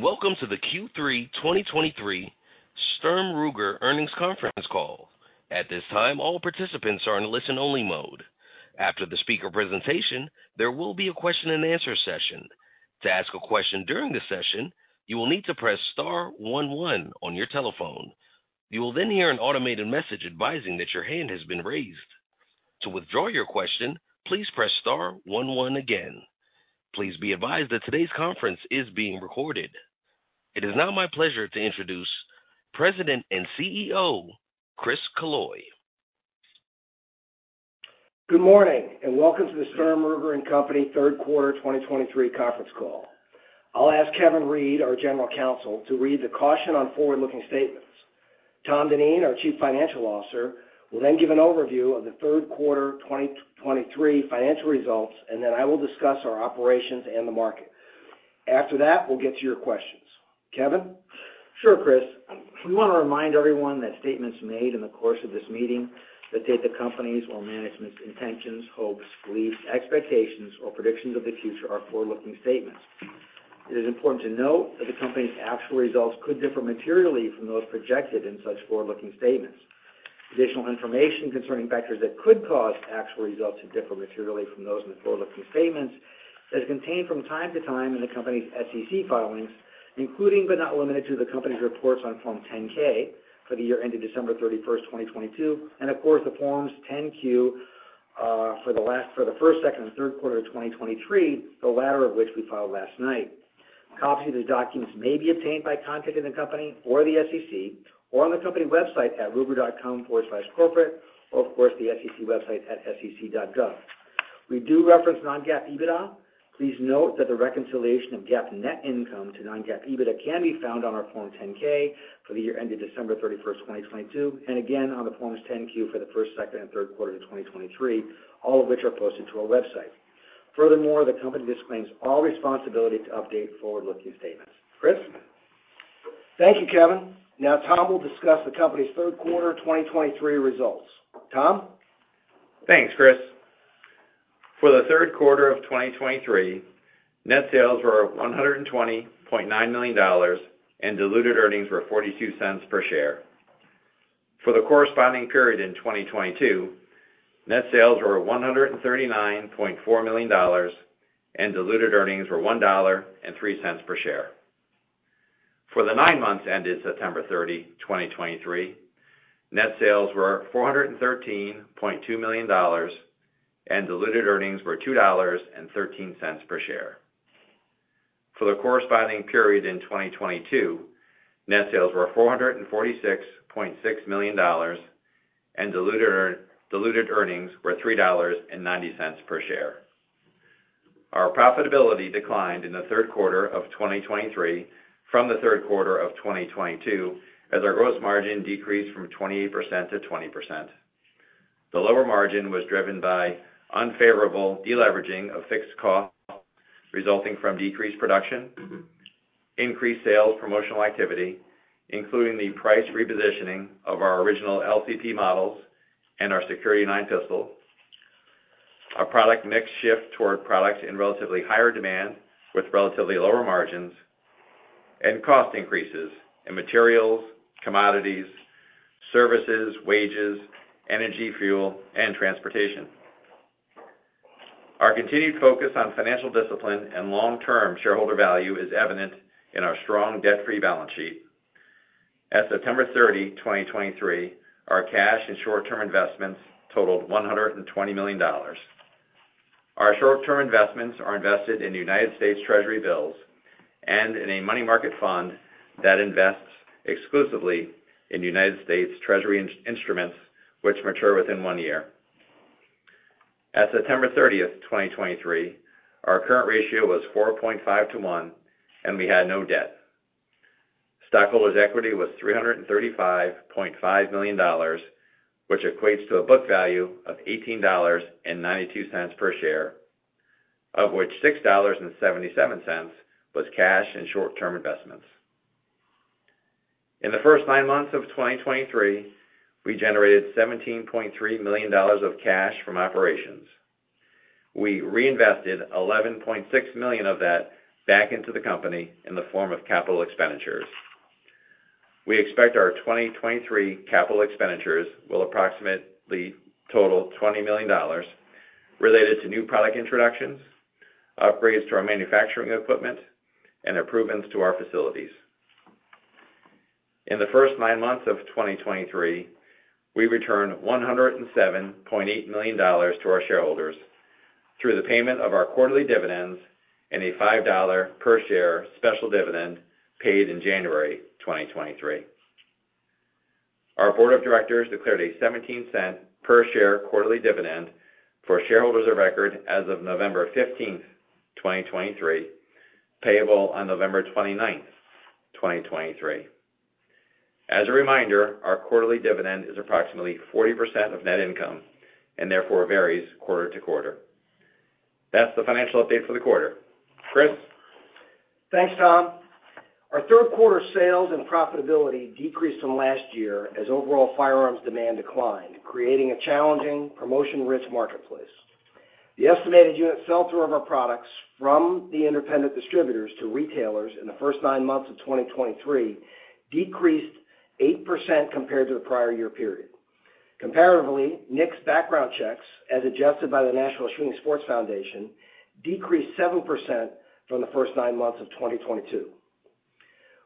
Welcome to the Q3 2023 Sturm, Ruger Earnings Conference Call. At this time, all participants are in listen-only mode. After the speaker presentation, there will be a question-and-answer session. To ask a question during the session, you will need to press star one one on your telephone. You will then hear an automated message advising that your hand has been raised. To withdraw your question, please press star one one again. Please be advised that today's conference is being recorded. It is now my pleasure to introduce President and CEO, Chris Killoy. Good morning, and welcome to the Sturm, Ruger & Company third quarter 2023 conference call. I'll ask Kevin Reid, our General Counsel, to read the caution on forward-looking statements. Tom Dineen, our Chief Financial Officer, will then give an overview of the third quarter 2023 financial results, and then I will discuss our operations and the market. After that, we'll get to your questions. Kevin? Sure, Chris. We want to remind everyone that statements made in the course of this meeting that take the company's or management's intentions, hopes, beliefs, expectations, or predictions of the future are forward-looking statements. It is important to note that the company's actual results could differ materially from those projected in such forward-looking statements. Additional information concerning factors that could cause actual results to differ materially from those in the forward-looking statements is contained from time to time in the company's SEC filings, including but not limited to, the company's reports on Form 10-K for the year ended December 31, 2022, and of course, the Forms 10-Q for the first, second, and third quarter of 2023, the latter of which we filed last night. Copies of the documents may be obtained by contacting the company or the SEC, or on the company website at ruger.com/corporate, or of course, the SEC website at sec.gov. We do reference non-GAAP EBITDA. Please note that the reconciliation of GAAP net income to non-GAAP EBITDA can be found on our Form 10-K for the year ended December 31, 2022, and again on the Forms 10-Q for the first, second, and third quarter of 2023, all of which are posted to our website. Furthermore, the company disclaims all responsibility to update forward-looking statements. Chris? Thank you, Kevin. Now, Tom will discuss the company's third quarter 2023 results. Tom? Thanks, Chris. For the third quarter of 2023, net sales were $120.9 million, and diluted earnings were $0.42 per share. For the corresponding period in 2022, net sales were $139.4 million, and diluted earnings were $1.03 per share. For the nine months ended September 30, 2023, net sales were $413.2 million, and diluted earnings were $2.13 per share. For the corresponding period in 2022, net sales were $446.6 million, and diluted earnings were $3.90 per share. Our profitability declined in the third quarter of 2023 from the third quarter of 2022, as our gross margin decreased from 28% to 20%. The lower margin was driven by unfavorable deleveraging of fixed costs resulting from decreased production, increased sales promotional activity, including the price repositioning of our original LCP models and our Security-9 pistol. Our product mix shift toward products in relatively higher demand with relatively lower margins and cost increases in materials, commodities, services, wages, energy, fuel, and transportation. Our continued focus on financial discipline and long-term shareholder value is evident in our strong debt-free balance sheet. At September 30, 2023, our cash and short-term investments totaled $120 million. Our short-term investments are invested in United States Treasury bills and in a money market fund that invests exclusively in United States Treasury instruments which mature within one year. At September 30th, 2023, our current ratio was 4.5 to 1, and we had no debt. Stockholders' equity was $335.5 million, which equates to a book value of $18.92 per share, of which $6.77 was cash and short-term investments. In the first nine months of 2023, we generated $17.3 million of cash from operations. We reinvested $11.6 million of that back into the company in the form of capital expenditures. We expect our 2023 capital expenditures will approximately total $20 million related to new product introductions, upgrades to our manufacturing equipment, and improvements to our facilities. In the first nine months of 2023, we returned $107.8 million to our shareholders through the payment of our quarterly dividends and a $5 per share special dividend paid in January 2023. Our board of directors declared a $0.17 per share quarterly dividend for shareholders of record as of November fifteenth, 2023, payable on November twenty-ninth, 2023. As a reminder, our quarterly dividend is approximately 40% of net income and therefore varies quarter to quarter. That's the financial update for the quarter. Chris? Thanks, Tom. Our third quarter sales and profitability decreased from last year as overall firearms demand declined, creating a challenging, promotion-rich marketplace. The estimated unit sell-through of our products from the independent distributors to retailers in the first nine months of 2023 decreased 8% compared to the prior year period. Comparatively, NICS background checks, as adjusted by the National Shooting Sports Foundation, decreased 7% from the first nine months of 2022.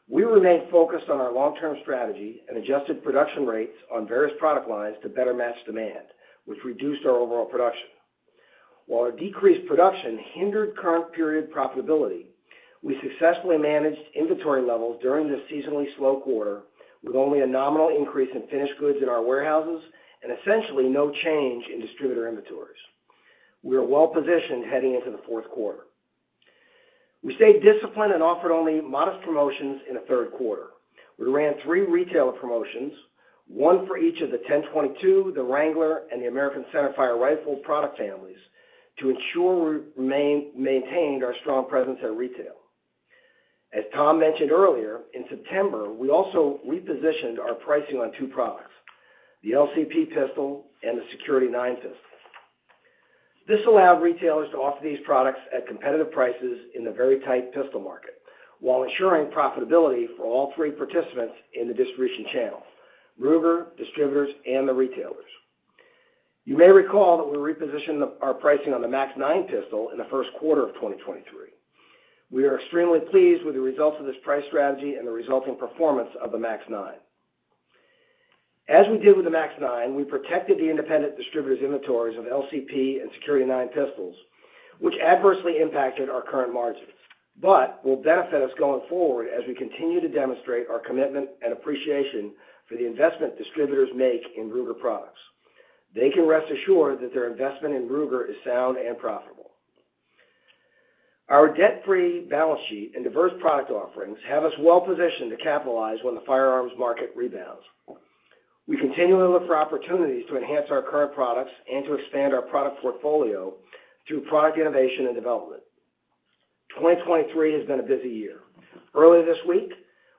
We remain focused on our long-term strategy and adjusted production rates on various product lines to better match demand, which reduced our overall production. While our decreased production hindered current period profitability, we successfully managed inventory levels during this seasonally slow quarter, with only a nominal increase in finished goods in our warehouses and essentially no change in distributor inventories. We are well positioned heading into the fourth quarter. We stayed disciplined and offered only modest promotions in the third quarter. We ran three retailer promotions, one for each of the 10/22, the Wrangler, and the American centerfire Rifle product families, to ensure we maintained our strong presence at retail. As Tom mentioned earlier, in September, we also repositioned our pricing on two products, the LCP pistol and the Security-9 pistol. This allowed retailers to offer these products at competitive prices in the very tight pistol market, while ensuring profitability for all three participants in the distribution channel: Ruger, distributors, and the retailers. You may recall that we repositioned our pricing on the MAX-9 pistol in the first quarter of 2023. We are extremely pleased with the results of this price strategy and the resulting performance of the MAX-9. As we did with the MAX-9, we protected the independent distributors' inventories of LCP and Security-9 pistols, which adversely impacted our current margins, but will benefit us going forward as we continue to demonstrate our commitment and appreciation for the investment distributors make in Ruger products. They can rest assured that their investment in Ruger is sound and profitable. Our debt-free balance sheet and diverse product offerings have us well positioned to capitalize when the firearms market rebounds. We continually look for opportunities to enhance our current products and to expand our product portfolio through product innovation and development. 2023 has been a busy year. Earlier this week,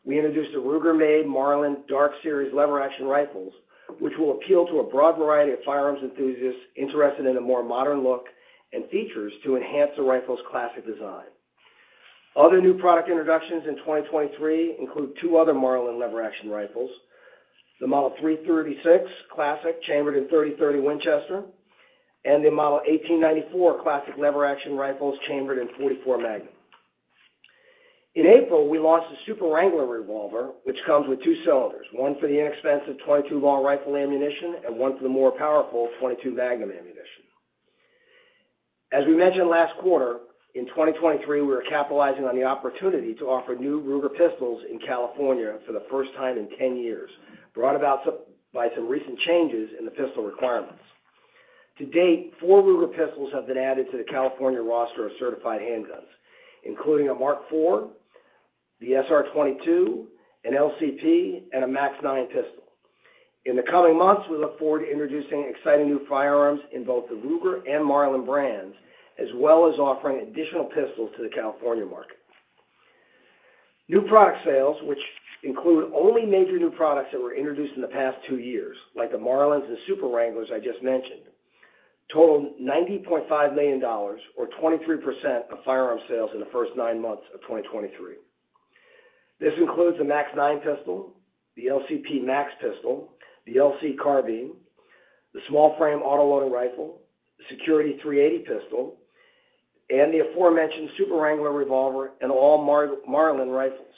we introduced the Ruger Made Marlin Dark Series lever action rifles, which will appeal to a broad variety of firearms enthusiasts interested in a more modern look and features to enhance the rifle's classic design. Other new product introductions in 2023 include two other Marlin lever-action rifles, the Model 336 Classic, chambered in .30-30 Winchester, and the Model 1894 Classic lever-action rifles, chambered in .44 Magnum. In April, we launched the Super Wrangler revolver, which comes with two cylinders, one for the inexpensive .22 Long Rifle ammunition and one for the more powerful .22 Magnum ammunition. As we mentioned last quarter, in 2023, we are capitalizing on the opportunity to offer new Ruger pistols in California for the first time in 10 years, brought about by some recent changes in the pistol requirements. To date, four Ruger pistols have been added to the California roster of certified handguns, including a Mark IV, the SR22, an LCP, and a MAX-9 pistol. In the coming months, we look forward to introducing exciting new firearms in both the Ruger and Marlin brands, as well as offering additional pistols to the California market. New product sales, which include only major new products that were introduced in the past two years, like the Marlins and Super Wranglers I just mentioned, totaled $90.5 million or 23% of firearm sales in the first nine months of 2023. This includes the MAX-9 pistol, the LCP MAX pistol, the LC Carbine, the Small-Frame Autoloading Rifle, Security-380 pistol, and the aforementioned Super Wrangler revolver and all Marlin rifles.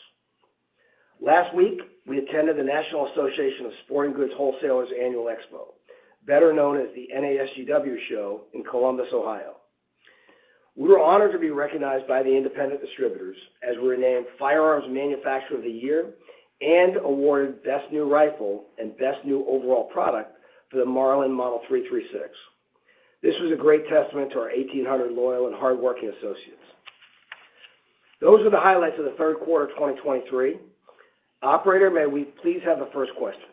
Last week, we attended the National Association of Sporting Goods Wholesalers Annual Expo, better known as the NASGW Show in Columbus, Ohio. We were honored to be recognized by the independent distributors, as we were named Firearms Manufacturer of the Year and awarded Best New Rifle and Best New Overall Product for the Marlin Model 336. This was a great testament to our 1,800 loyal and hardworking associates. Those are the highlights of the third quarter of 2023. Operator, may we please have the first question?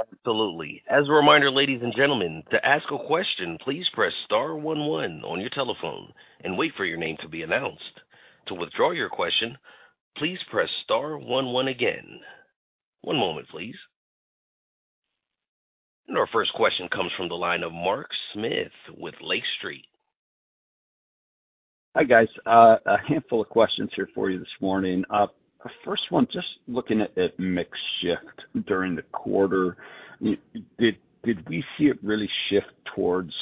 Absolutely. As a reminder, ladies and gentlemen, to ask a question, please press star one one on your telephone and wait for your name to be announced. To withdraw your question, please press star one one again. One moment, please. Our first question comes from the line of Mark Smith with Lake Street. Hi, guys. A handful of questions here for you this morning. The first one, just looking at mix shift during the quarter, did we see it really shift towards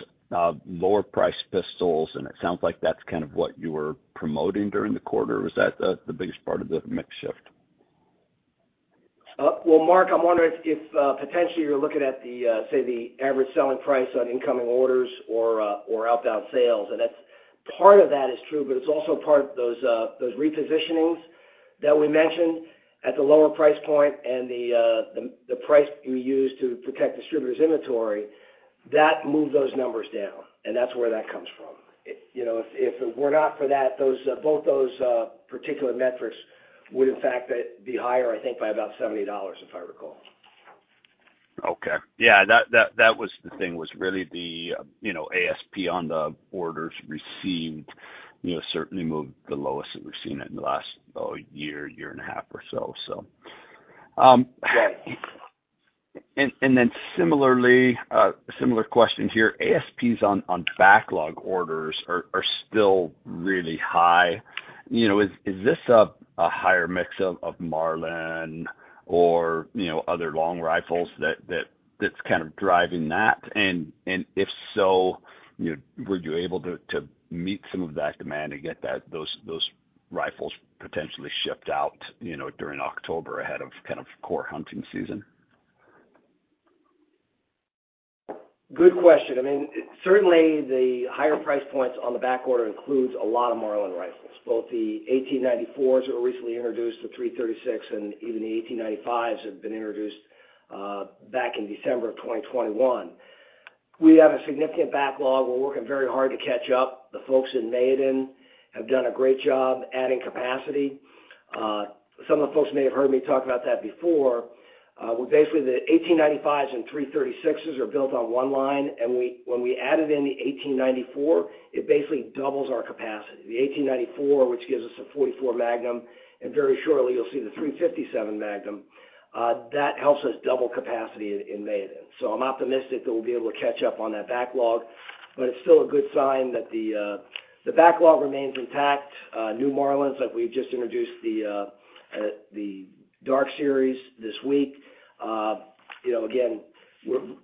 lower priced pistols? And it sounds like that's kind of what you were promoting during the quarter, or is that the biggest part of the mix shift? Well, Mark, I'm wondering if potentially you're looking at the, say, the average selling price on incoming orders or outbound sales, and that's... Part of that is true, but it's also part of those repositionings that we mentioned at the lower price point and the price we use to protect distributors' inventory. That moved those numbers down, and that's where that comes from. It, you know, if it were not for that, both those particular metrics would, in fact, be higher, I think, by about $70, if I recall. Okay. Yeah, that was the thing, was really the, you know, ASP on the orders received, you know, certainly moved the lowest that we've seen it in the last, oh, year, year and a half or so, so. And then similarly, similar question here. ASPs on backlog orders are still really high. You know, is this a higher mix of Marlin or, you know, other long rifles that's kind of driving that? And if so, you know, were you able to meet some of that demand and get those rifles potentially shipped out, you know, during October ahead of kind of core hunting season? Good question. I mean, certainly the higher price points on the back order includes a lot of Marlin rifles, both the 1894s that were recently introduced, the 336, and even the 1895s have been introduced, back in December of 2021. We have a significant backlog. We're working very hard to catch up. The folks in Mayodan have done a great job adding capacity. Some of the folks may have heard me talk about that before. Well, basically, the 1895s and 336s are built on one line, and when we added in the 1894, it basically doubles our capacity. The 1894, which gives us a .44 Magnum, and very shortly, you'll see the .357 Magnum, that helps us double capacity in Mayodan. So I'm optimistic that we'll be able to catch up on that backlog, but it's still a good sign that the backlog remains intact. New Marlins, like we've just introduced the Dark Series this week. You know, again,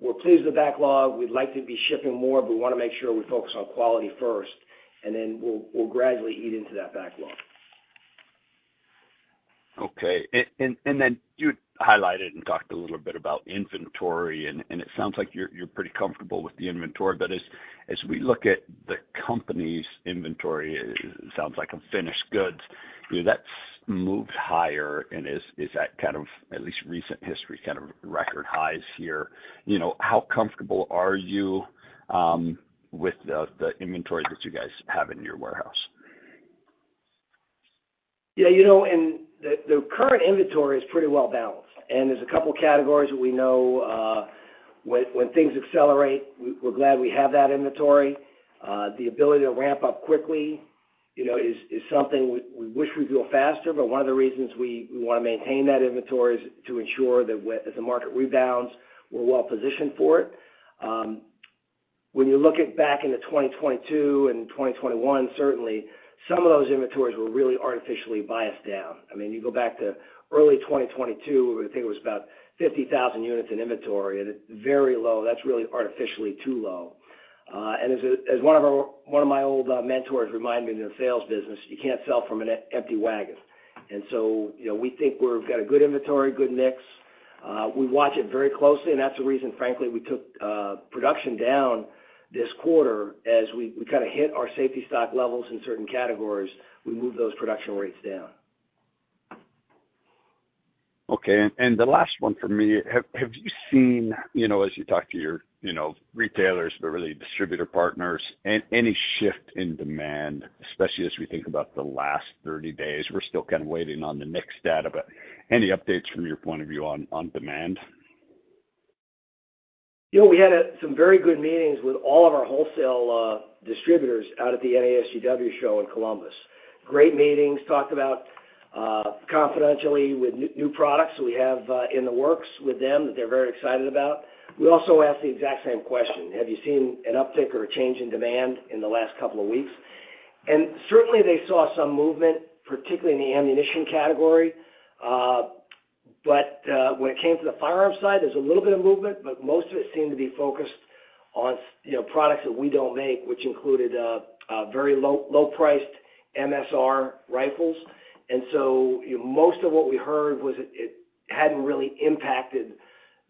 we're pleased with the backlog. We'd like to be shipping more, but we wanna make sure we focus on quality first, and then we'll gradually eat into that backlog. Okay. And then you highlighted and talked a little bit about inventory, and it sounds like you're pretty comfortable with the inventory. But as we look at the company's inventory, it sounds like in finished goods, you know, that's moved higher and is at kind of, at least recent history, kind of record highs here. You know, how comfortable are you with the inventory that you guys have in your warehouse? Yeah, you know, and the current inventory is pretty well balanced, and there's a couple categories that we know, when things accelerate, we're glad we have that inventory. The ability to ramp up quickly, you know, is something we wish we'd do it faster, but one of the reasons we wanna maintain that inventory is to ensure that when, as the market rebounds, we're well positioned for it. When you look at back into 2022 and 2021, certainly some of those inventories were really artificially biased down. I mean, you go back to early 2022, where I think it was about 50,000 units in inventory, and it's very low. That's really artificially too low. As one of my old mentors reminded me in the sales business, "You can't sell from an empty wagon." And so, you know, we think we've got a good inventory, good mix. We watch it very closely, and that's the reason, frankly, we took production down this quarter. As we kind of hit our safety stock levels in certain categories, we moved those production rates down. Okay. And the last one for me, have you seen, you know, as you talk to your, you know, retailers, but really distributor partners, any shift in demand, especially as we think about the last 30 days? We're still kind of waiting on the next data, but any updates from your point of view on demand? You know, we had some very good meetings with all of our wholesale distributors out at the NASGW show in Columbus. Great meetings, talked about confidentially with new, new products that we have in the works with them, that they're very excited about. We also asked the exact same question: "Have you seen an uptick or a change in demand in the last couple of weeks?" And certainly they saw some movement, particularly in the ammunition category. But when it came to the firearm side, there's a little bit of movement, but most of it seemed to be focused on, you know, products that we don't make, which included very low, low-priced MSR rifles. And so most of what we heard was it, it hadn't really impacted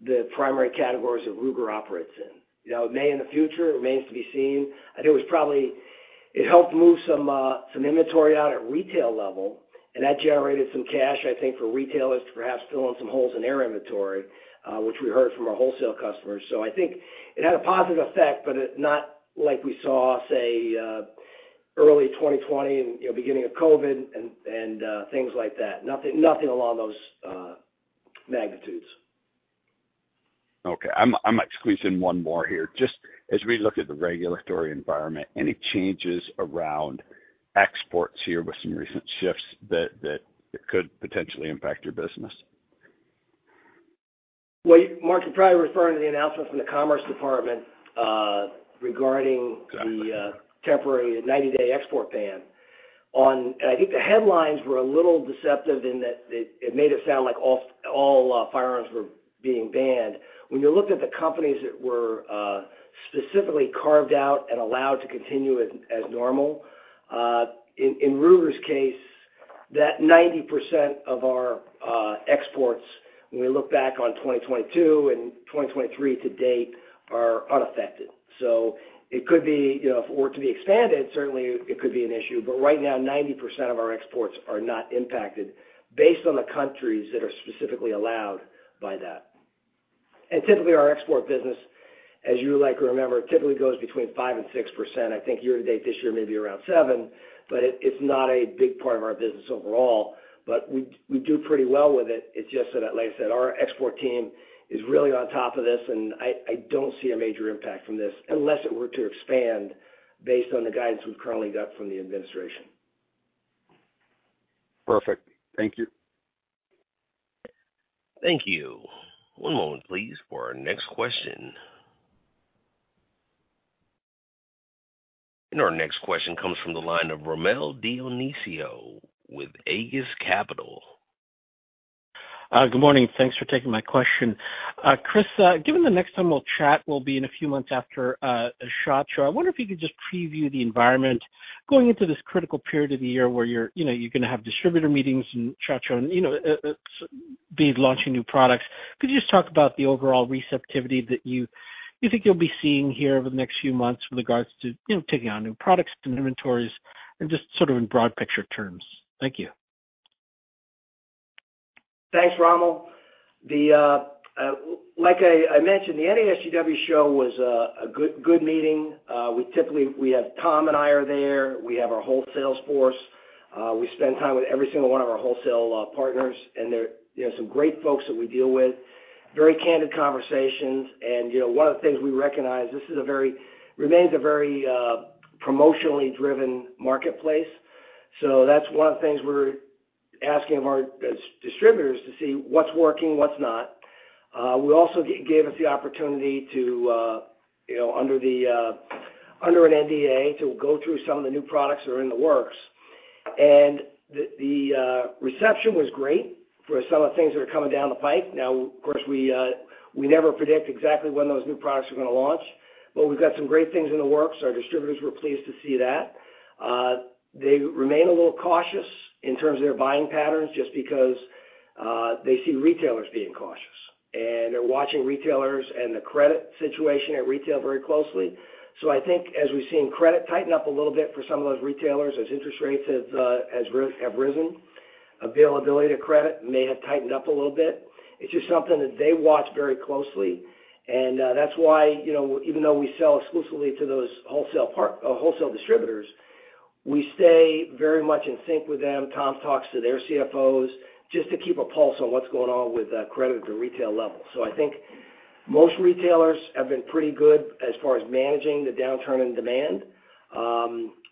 the primary categories that Ruger operates in. You know, it may in the future, it remains to be seen. I think it was probably... It helped move some inventory out at retail level, and that generated some cash, I think, for retailers to perhaps fill in some holes in their inventory, which we heard from our wholesale customers. So I think it had a positive effect, but it's not like we saw, say, early 2020 and, you know, beginning of COVID and things like that. Nothing, nothing along those magnitudes. Okay. I might squeeze in one more here. Just as we look at the regulatory environment, any changes around exports here with some recent shifts that could potentially impact your business? Well, Mark, you're probably referring to the announcement from the Commerce Department. Exactly... regarding the temporary 90-day export ban. On and I think the headlines were a little deceptive in that it made it sound like all firearms were being banned. When you looked at the companies that were specifically carved out and allowed to continue as normal, in Ruger's case, that 90% of our exports, when we look back on 2022 and 2023 to date, are unaffected. So it could be, you know, if it were to be expanded, certainly it could be an issue, but right now, 90% of our exports are not impacted based on the countries that are specifically allowed by that. And typically, our export business, as you like to remember, typically goes between 5% and 6%. I think year to date this year, maybe around seven, but it, it's not a big part of our business overall. But we, we do pretty well with it. It's just that, like I said, our export team is really on top of this, and I, I don't see a major impact from this unless it were to expand based on the guidance we've currently got from the administration. Perfect. Thank you. Thank you. One moment, please, for our next question. Our next question comes from the line of Rommel Dionisio with Aegis Capital. Good morning. Thanks for taking my question. Chris, given the next time we'll chat will be in a few months after a SHOT Show, I wonder if you could just preview the environment going into this critical period of the year where you're, you know, you're going to have distributor meetings and SHOT Show, and, you know, be launching new products. Could you just talk about the overall receptivity that you think you'll be seeing here over the next few months with regards to, you know, taking on new products and inventories and just sort of in broad picture terms? Thank you. Thanks, Rommel. The, like I mentioned, the NASGW show was a good meeting. We typically, we have Tom and I are there. We have our wholesale force. We spend time with every single one of our wholesale partners, and they're, you know, some great folks that we deal with. Very candid conversations, and, you know, one of the things we recognize, this remains a very promotionally driven marketplace. So that's one of the things we're asking of our distributors to see what's working, what's not. We also gave us the opportunity to, you know, under an NDA, to go through some of the new products that are in the works. And the reception was great for some of the things that are coming down the pike. Now, of course, we never predict exactly when those new products are gonna launch, but we've got some great things in the works. Our distributors were pleased to see that. They remain a little cautious in terms of their buying patterns, just because they see retailers being cautious, and they're watching retailers and the credit situation at retail very closely. So I think as we've seen credit tighten up a little bit for some of those retailers, as interest rates have risen, availability to credit may have tightened up a little bit. It's just something that they watch very closely, and that's why, you know, even though we sell exclusively to those wholesale distributors, we stay very much in sync with them. Tom talks to their CFOs just to keep a pulse on what's going on with credit at the retail level. So I think most retailers have been pretty good as far as managing the downturn in demand.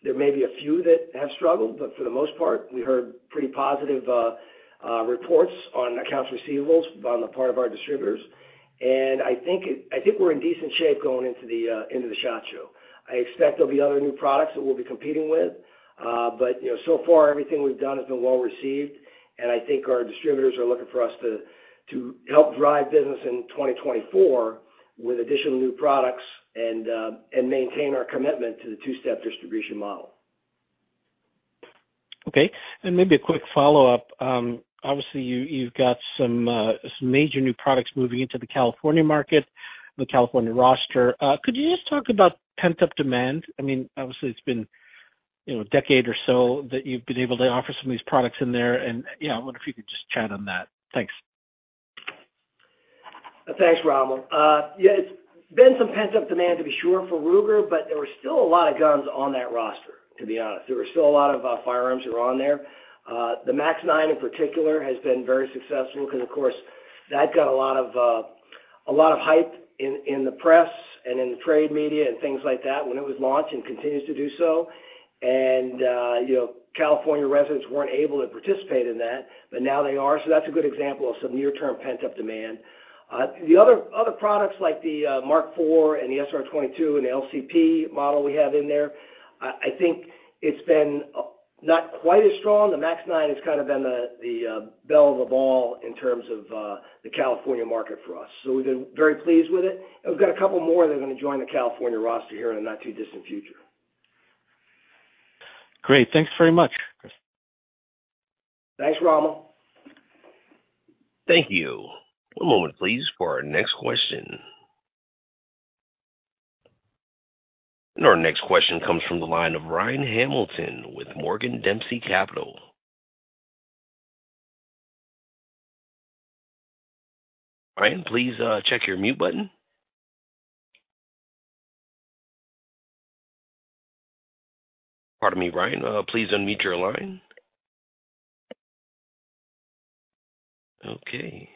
There may be a few that have struggled, but for the most part, we heard pretty positive reports on accounts receivables on the part of our distributors. And I think we're in decent shape going into the SHOT Show. I expect there'll be other new products that we'll be competing with, but you know, so far, everything we've done has been well received, and I think our distributors are looking for us to help drive business in 2024 with additional new products and maintain our commitment to the two-step distribution model. Okay. And maybe a quick follow-up. Obviously, you've got some major new products moving into the California market, the California roster. Could you just talk about pent-up demand? I mean, obviously, it's been, you know, a decade or so that you've been able to offer some of these products in there. And, yeah, I wonder if you could just chat on that. Thanks. Thanks, Rommel. Yeah, it's been some pent-up demand to be sure for Ruger, but there were still a lot of guns on that roster, to be honest. There were still a lot of firearms that were on there. The MAX-9, in particular, has been very successful because, of course, that got a lot of hype in the press and in the trade media and things like that when it was launched and continues to do so. And, you know, California residents weren't able to participate in that, but now they are. So that's a good example of some near-term pent-up demand. The other products, like the Mark IV and the SR22 and the LCP model we have in there, I think it's been not quite as strong. The MAX-9 has kind of been the belle of the ball in terms of the California market for us. So we've been very pleased with it, and we've got a couple more that are going to join the California roster here in the not-too-distant future. Great. Thanks very much, Chris. Thanks, Rommel. Thank you. One moment, please, for our next question. Our next question comes from the line of Ryan Hamilton with Morgan Dempsey Capital. Ryan, please, check your mute button. Pardon me, Ryan, please unmute your line. Okay.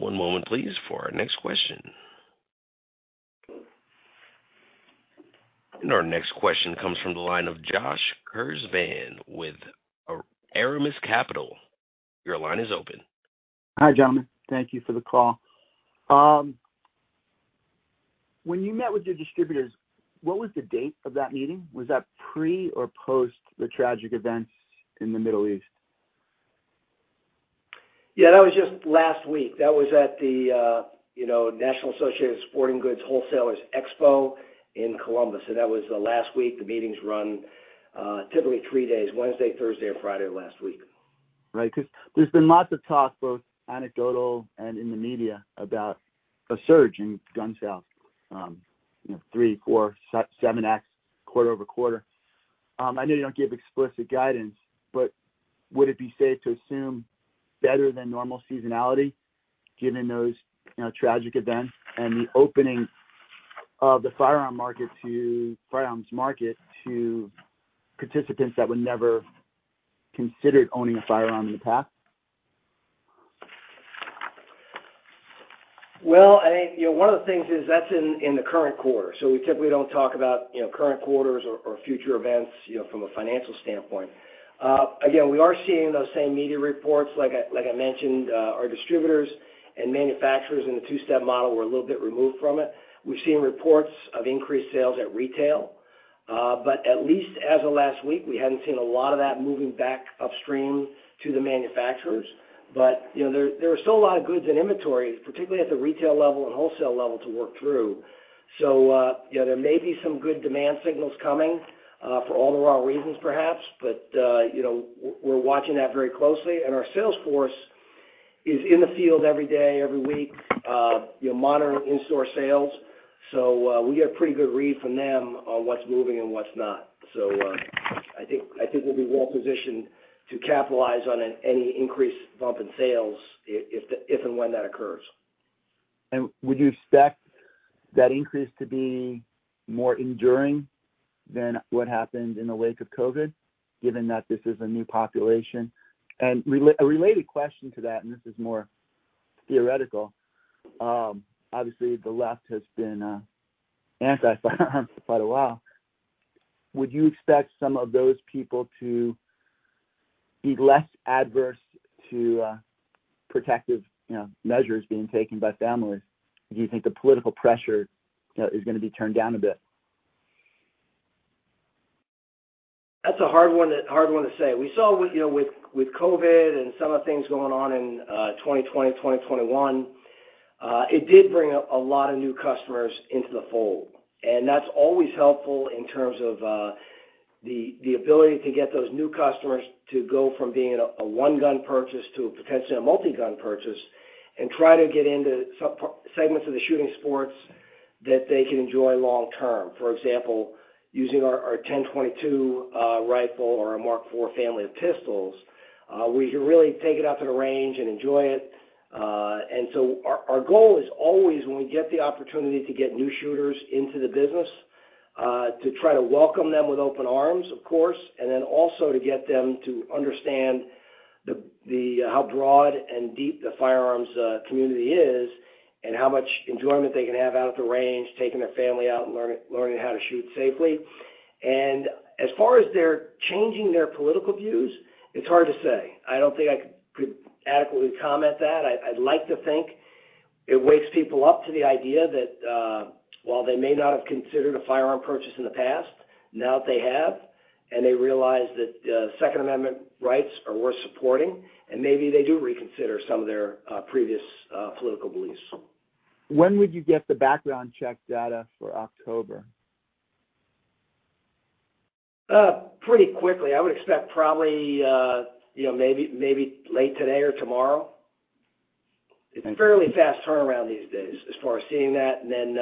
One moment, please, for our next question. Our next question comes from the line of Josh Kuszban with Aramis Capital. Your line is open. Hi, gentlemen. Thank you for the call. When you met with your distributors, what was the date of that meeting? Was that pre or post the tragic events in the Middle East? Yeah, that was just last week. That was at the, you know, National Association of Sporting Goods Wholesalers Expo in Columbus, and that was last week. The meetings run typically three days, Wednesday, Thursday, and Friday of last week. Right. 'Cause there's been lots of talk, both anecdotal and in the media, about a surge in gun sales, you know, 3, 4, 7x quarter-over-quarter. I know you don't give explicit guidance, but would it be safe to assume better than normal seasonality, given those, you know, tragic events and the opening of the firearms market to participants that would never considered owning a firearm in the past? ...Well, I think, you know, one of the things is that's in, in the current quarter, so we typically don't talk about, you know, current quarters or, or future events, you know, from a financial standpoint. Again, we are seeing those same media reports. Like I mentioned, our distributors and manufacturers in the two-step model were a little bit removed from it. We've seen reports of increased sales at retail, but at least as of last week, we hadn't seen a lot of that moving back upstream to the manufacturers. But, you know, there are still a lot of goods and inventory, particularly at the retail level and wholesale level, to work through. So, you know, there may be some good demand signals coming, for all the wrong reasons, perhaps, but, you know, we're watching that very closely. Our sales force is in the field every day, every week, monitoring in-store sales. So, we get a pretty good read from them on what's moving and what's not. So, I think we'll be well positioned to capitalize on any increase bump in sales, if and when that occurs. Would you expect that increase to be more enduring than what happened in the wake of COVID, given that this is a new population? A related question to that, and this is more theoretical, obviously, the left has been anti-firearm for quite a while. Would you expect some of those people to be less adverse to protective, you know, measures being taken by families? Do you think the political pressure is gonna be turned down a bit? That's a hard one, hard one to say. We saw with, you know, COVID and some of the things going on in 2020, 2021, it did bring up a lot of new customers into the fold, and that's always helpful in terms of the ability to get those new customers to go from being a one-gun purchase to potentially a multi-gun purchase and try to get into some segments of the shooting sports that they can enjoy long term. For example, using our 10/22 rifle or a Mark IV family of pistols, we can really take it out to the range and enjoy it. And so our goal is always when we get the opportunity to get new shooters into the business, to try to welcome them with open arms, of course, and then also to get them to understand how broad and deep the firearms community is and how much enjoyment they can have out at the range, taking their family out and learning how to shoot safely. As far as they're changing their political views, it's hard to say. I don't think I could adequately comment that. I'd like to think it wakes people up to the idea that, while they may not have considered a firearm purchase in the past, now that they have, and they realize that Second Amendment rights are worth supporting, and maybe they do reconsider some of their previous political beliefs. When would you get the background check data for October? Pretty quickly. I would expect probably, you know, maybe, maybe late today or tomorrow. Okay. It's a fairly fast turnaround these days as far as seeing that. And then,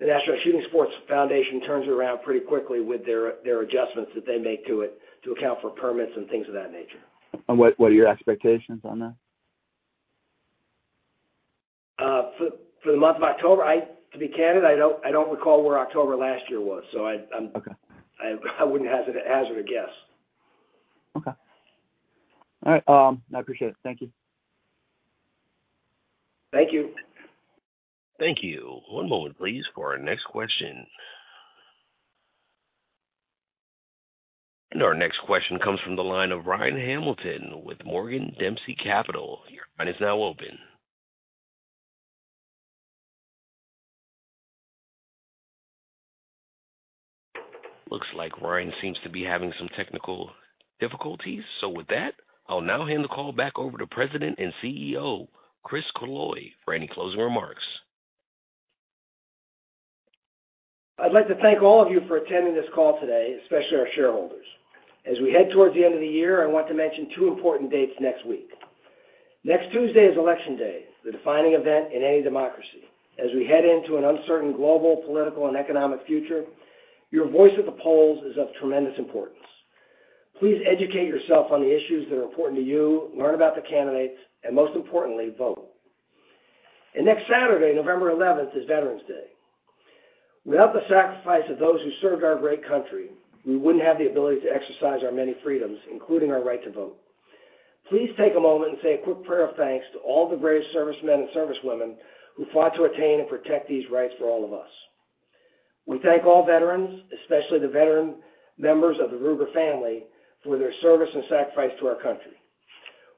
the National Shooting Sports Foundation turns around pretty quickly with their adjustments that they make to it to account for permits and things of that nature. What are your expectations on that? For the month of October... To be candid, I don't recall where October last year was, so I'm- Okay. I wouldn't hazard a guess. Okay. All right, I appreciate it. Thank you. Thank you. Thank you. One moment, please, for our next question. Our next question comes from the line of Ryan Hamilton with Morgan Dempsey Capital. Your line is now open. Looks like Ryan seems to be having some technical difficulties. With that, I'll now hand the call back over to President and CEO, Chris Killoy, for any closing remarks. I'd like to thank all of you for attending this call today, especially our shareholders. As we head towards the end of the year, I want to mention two important dates next week. Next Tuesday is Election Day, the defining event in any democracy. As we head into an uncertain global, political, and economic future, your voice at the polls is of tremendous importance. Please educate yourself on the issues that are important to you, learn about the candidates, and most importantly, vote. Next Saturday, November 11th, is Veterans Day. Without the sacrifice of those who served our great country, we wouldn't have the ability to exercise our many freedoms, including our right to vote. Please take a moment and say a quick prayer of thanks to all the brave servicemen and servicewomen who fought to attain and protect these rights for all of us. We thank all veterans, especially the veteran members of the Ruger family, for their service and sacrifice to our country.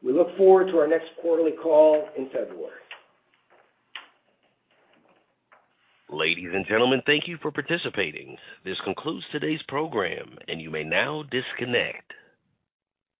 We look forward to our next quarterly call in February. Ladies and gentlemen, thank you for participating. This concludes today's program, and you may now disconnect.